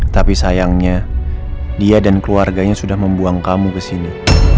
tapi sayangnya dia dan keluarganya sudah membuang kamu kesini